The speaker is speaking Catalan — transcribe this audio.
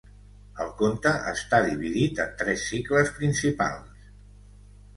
El conte està dividit en tres cicles principals.